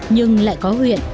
nhưng lại có huyện